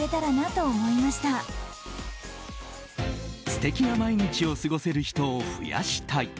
素敵な毎日を過ごせる人を増やしたい。